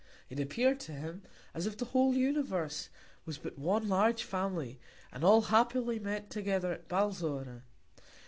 It appear'd to him, as if the whole Universe was but one large Family, and all happily met together at Balzora.